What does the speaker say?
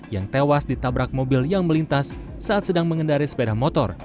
yang tewas ditabrak mobil yang melintas saat sedang mengendari sepeda motor